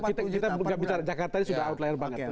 kita nggak bicara jakarta ini sudah outlier banget